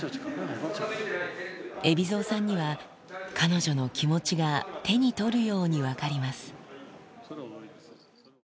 海老蔵さんには、彼女の気持ちが手に取るように分かります。